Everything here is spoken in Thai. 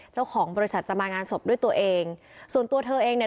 เจ้าของบริษัทจะมางานศพด้วยตัวเองส่วนตัวเธอเองเนี่ย